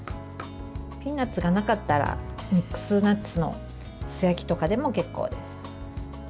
ピーナツがなかったらミックスナッツの素焼きとかでも結構です。